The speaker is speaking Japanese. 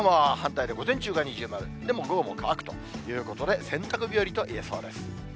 横浜は反対で午前中が二重丸、でも午後も乾くということで、洗濯日和といえそうです。